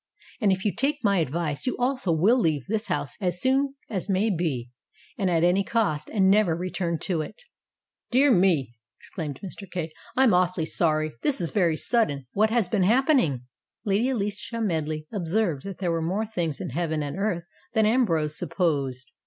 And, if you take my advice, you also will leave this house as soon as may be and at any cost, and never return to it." "Dear me!" exclaimed Mr. Kay, "I'm awfully sorry. This is very sudden. What has been happen ing?" Lady Alicia Medley observed that there were more things in heaven and earth than Ambrose supposed.